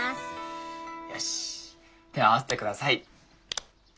よし手を合わせて下さい。